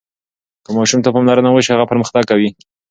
که ماشوم ته پاملرنه وشي، هغه پرمختګ کوي.